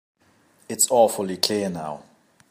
It's awfully clear now.